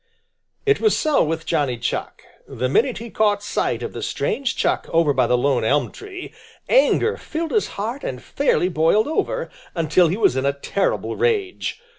It was so with Johnny Chuck. The minute he caught sight of the strange Chuck over by the lone elm tree, anger filled his heart and fairly boiled over, until he was in a terrible rage.